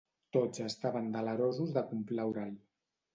Tots estaven delerosos de complaure'l.